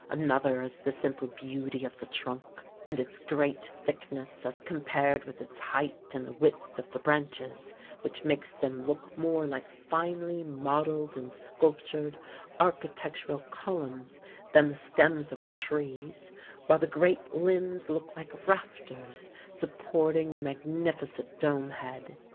Another is the simple beauty of the trunk, and its great thickness as compared with its height and the width of the branches, which makes them look more like finely modeled and sculptured architectural columns than the stems of trees, while the great limbs look like rafters, supporting the magnificent dome head.